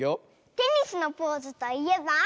テニスのポーズといえば？